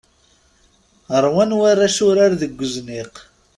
Rwan warrac urar deg uzniq.